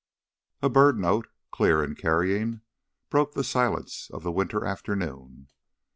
A bird note, clear and carrying, broke the silence of the winter afternoon.